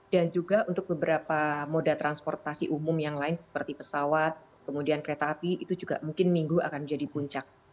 dan juga untuk beberapa moda transportasi umum yang lain seperti pesawat kemudian kereta api itu juga mungkin minggu akan menjadi puncak